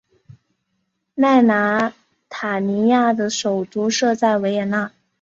内莱塔尼亚的首都设在维也纳。